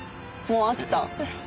もう飽きた。